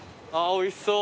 おいしそう。